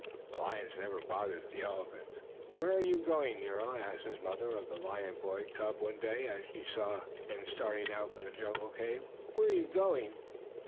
The lions never bothered the elephants. "Where are you going, Nero?" asked his mother of the lion boy cub one day, as she saw him starting out from the jungle cave. "Where are you going?"